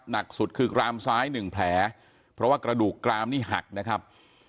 หนักสุดคือกรามซ้ายหนึ่งแผลเพราะว่ากระดูกกรามนี่หักนะครับ